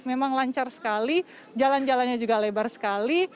memang lancar sekali jalan jalannya juga lebar sekali